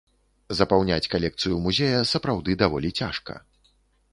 Запаўняць калекцыю музея сапраўды даволі цяжка.